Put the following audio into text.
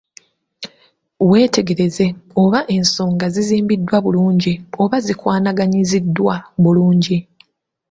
Weetegereze oba ensonga zizimbiddwa bulungi oba zikwanaganyiziddwa bulungi.